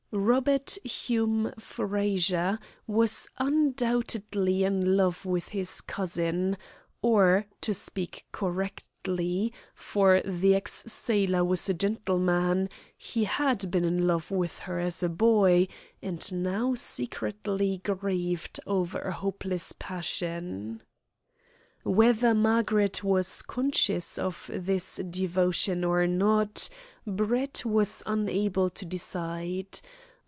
Robert Hume Frazer was undoubtedly in love with his cousin, or, to speak correctly, for the ex sailor was a gentleman, he had been in love with her as a boy, and now secretly grieved over a hopeless passion. Whether Margaret was conscious of this devotion or not Brett was unable to decide.